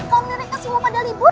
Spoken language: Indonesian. kalau mereka semua pada libur